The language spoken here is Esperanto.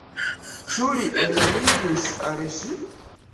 Ĉu li enamiĝus al ŝi?